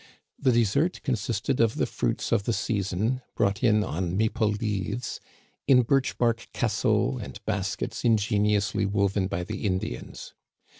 The dessert consisted of the fruits of the season, brought in on maple leaves, in birch bark cassots and baskets in geniously woven by the Indians.